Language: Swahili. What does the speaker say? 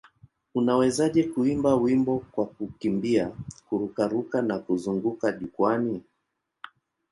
Unawezaje kuimba wimbo kwa kukimbia, kururuka na kuzunguka jukwaani?